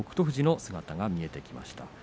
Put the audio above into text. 富士の姿が見えてきました。